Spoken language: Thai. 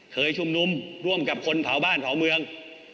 เคยชุมนุมร่วมกับคนเผาบ้านเผาเมือง